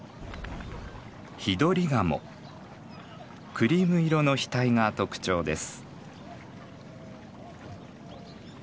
クリーム色の額が特徴です。